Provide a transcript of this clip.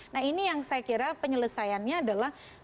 nah ini yang saya kira penyelesaiannya adalah